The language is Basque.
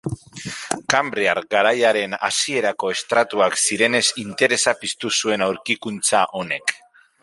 Kanbriar garaiaren hasierako estratuak zirenez interesa piztu zuen aurkikuntza honek.